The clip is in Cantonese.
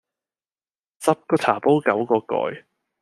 十個茶煲九個蓋